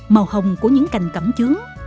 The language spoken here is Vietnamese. màu hồng của những cành cẩm chướng